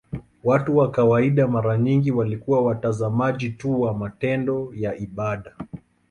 Watu wa kawaida mara nyingi walikuwa watazamaji tu wa matendo ya ibada.